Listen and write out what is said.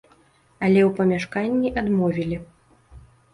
Але ў памяшканні адмовілі.